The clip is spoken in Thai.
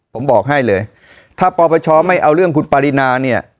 ผมบอกให้เลยถ้าปปชไม่เอาเรื่องคุณปรินาเนี่ย